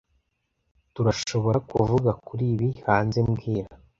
Tturashoborakuvuga kuri ibi hanze mbwira